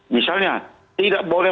misalnya tidak boleh